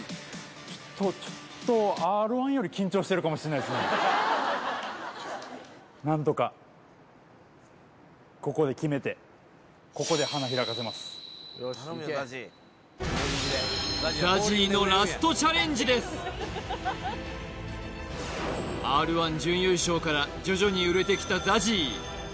ちょっとちょっとＲ−１より緊張してるかもしれないっすねＺＡＺＹのラストチャレンジですＲ−１準優勝から徐々に売れてきたＺＡＺＹ